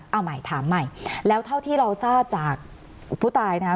เอาใหม่ถามใหม่แล้วเท่าที่เราทราบจากผู้ตายนะครับ